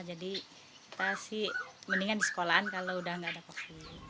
jadi kita sih mendingan di sekolah kalau udah gak ada paksa